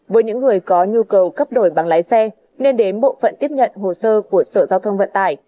với những người có nhu cầu cấp đổi bằng lái xe nên đến bộ phận tiếp nhận hồ sơ của sở giao thông vận tải